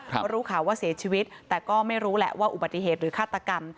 เพราะรู้ข่าวว่าเสียชีวิตแต่ก็ไม่รู้แหละว่าอุบัติเหตุหรือฆาตกรรม